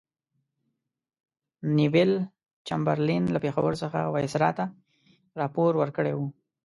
نیویل چمبرلین له پېښور څخه وایسرا ته راپور ورکړی وو.